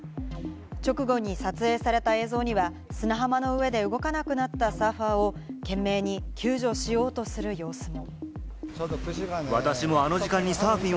直後に撮影された映像には、砂浜の上で動かなくなったサーファーを懸命に救助しようとする様子も。